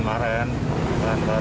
karena memang corona ya